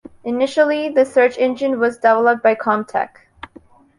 Initially the search engine was developed by Comptek.